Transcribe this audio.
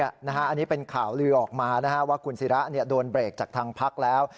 อันนี้เป็นข่าวลือออกมาว่าคุณศิระโดนเบรกจากทางพักแล้ว